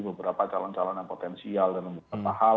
beberapa calon calon yang potensial dalam beberapa hal